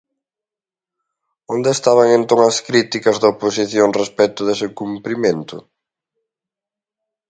¿Onde estaban entón as críticas da oposición respecto dese incumprimento?